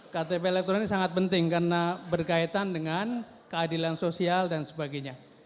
ktp elektronik sangat penting karena berkaitan dengan keadilan sosial dan sebagainya